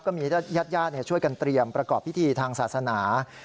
ญาติญาติช่วยกันเตรียมประกอบพิธีทางศาสนา